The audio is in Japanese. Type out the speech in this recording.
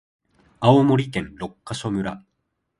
青森県六ヶ所村